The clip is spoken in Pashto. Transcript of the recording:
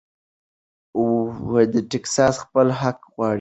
ټیکساس خپل حق غواړي.